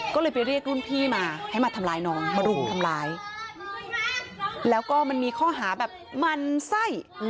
ก็เลยไปเรียกรุ่นพี่มาให้มาทำร้ายน้องมารุมทำร้ายแล้วก็มันมีข้อหาแบบมันไส้